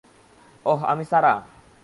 অহ, আমি সারা।